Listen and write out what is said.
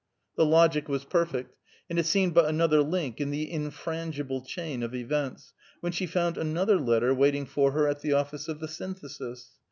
The logic was perfect, and it seemed but another link in the infrangible chain of events, when she found another letter waiting for her at the office of the Synthesis.